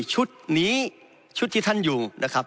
ชุดนี้ชุดที่ท่านอยู่